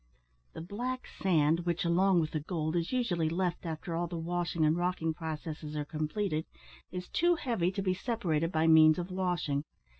The black sand, which, along with the gold, is usually left after all the washing and rocking processes are completed, is too heavy to be separated by means of washing.